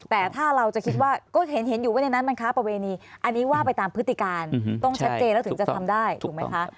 แต่ถ้าเราจะคิดว่าก็เห็นอยู่ว่าในนั้นมันค้าประเวณีอันนี้ว่าไปตามพฤติการต้องชัดเจนแล้วถึงจะทำได้ถูกไหมคะ